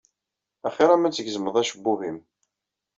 Axiṛ-am ad tgezmeḍ acebbub-im.